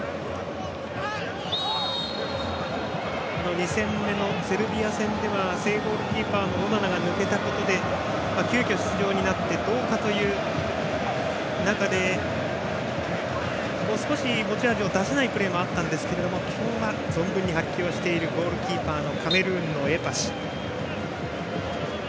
２戦目のセルビア戦では正ゴールキーパーのオナナが抜けたことで急きょ出場になってどうかという中で少し持ち味を出せないプレーもあったんですが今日は存分に発揮をしているゴールキーパーのカメルーン、エパシ。